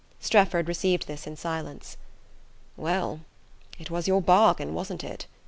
Strefford received this in silence. "Well it was your bargain, wasn't it?"